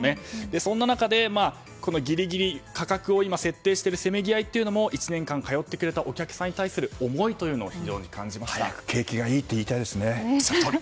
そんな中で、ギリギリ価格を設定しているせめぎ合いも１年間通ってくれたお客様に対する思いというものを早く景気がいいってそのとおり。